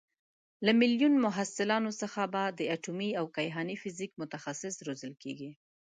له میلیون محصلانو څخه به د اټومي او کیهاني فیزیک متخصص روزل کېږي.